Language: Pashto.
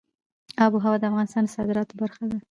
آب وهوا د افغانستان د صادراتو برخه ده.